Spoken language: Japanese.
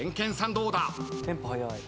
どうだ？